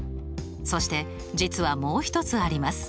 そして実はもう一つあります。